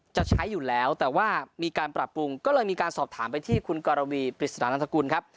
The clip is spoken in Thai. จะใช้อยู่แล้วแต่ว่ามีการปรับปรุงก็เลยมีการสอบถามไปที่คุณกรวีปริศนานันสกุลครับ